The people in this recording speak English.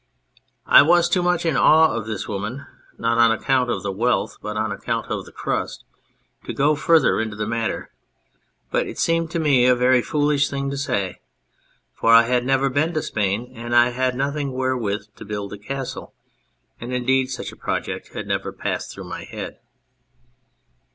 I was too much in awe of this woman not on account of the wealth, but on account of the crust to go further into the matter, but it seemed to me a very foolish thing to say, for I had never been to Spain, and I had nothing wherewith to build a castle and indeed such a project had never passed through my head.